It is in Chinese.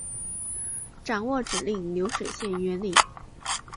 掌握指令流水线原理